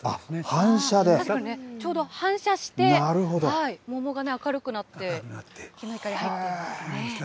ちょうど反射して、桃が明るくなって、日の光入っていますね。